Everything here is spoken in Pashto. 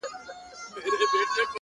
راځي سبا!!